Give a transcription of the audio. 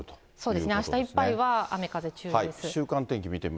そうですね、あしたいっぱいは雨風注意です。